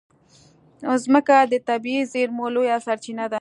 مځکه د طبعي زېرمو لویه سرچینه ده.